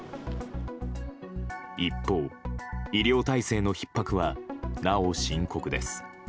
一方、医療体制のひっ迫はなお深刻です。